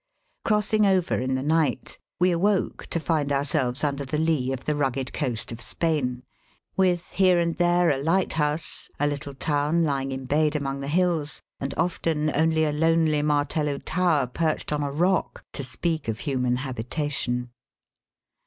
Crossing over in the night, we awoke to find ourselves imder the lee of the rugged coast of Spain, with here and there a light house, a little town lying embayed among the hills, and often only a lonely martello tower perched on a rock, to speak of human habita tion.